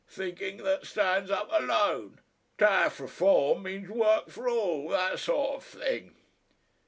Thinking that stands up alone. Taf Reform means work for all, thassort of thing."